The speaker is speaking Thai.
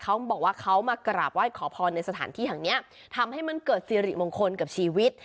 เขาบอกว่าเขามากราบไหว้ขอพรในสถานที่แห่งเนี้ยทำให้มันเกิดสิริมงคลกับชีวิต